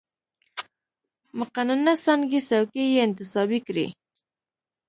مقننه څانګې څوکۍ یې انتصابي کړې.